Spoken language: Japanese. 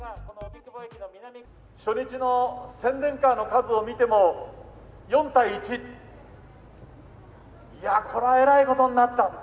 初日の宣伝カーの数を見ても、４対１、いやー、これはえらいことになった。